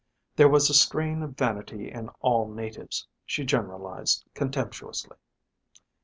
There was a strain of vanity in all natives, she generalised contemptuously.